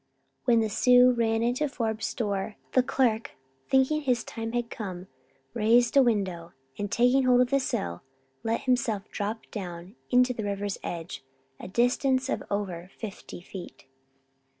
When the Sioux ran into Forbes store, the clerk, thinking his time had come, raised a window and taking hold of the sill, let himself drop down to the river's edge, a distance of over fifty feet.